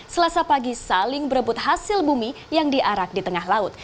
selasa pagi saling berebut hasil bumi yang diarak di tengah laut